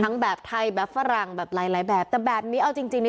แบบไทยแบบฝรั่งแบบหลายหลายแบบแต่แบบนี้เอาจริงจริงนี่